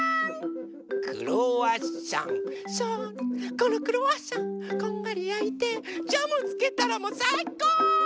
このクロワッサンこんがりやいてジャムつけたらもうさいこ！